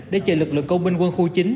để chờ lực lượng công binh quân khu chính